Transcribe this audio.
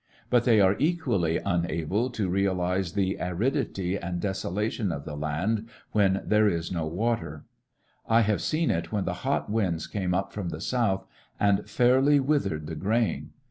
But they are equally uuable to realise the aridity and desolation of the land when there is no water, I have seen it when the hot winds came up from the south and fairly withered the grain.